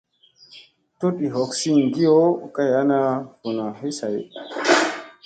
Tuɗ ii hook siiŋ kiyo kay ana vunuŋ his hay.